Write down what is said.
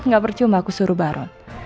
gak percuma aku suruh baro